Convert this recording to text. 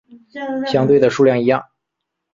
相对的数量一样。